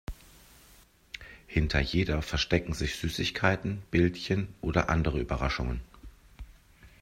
Hinter jeder verstecken sich Süßigkeiten, Bildchen oder andere Überraschungen.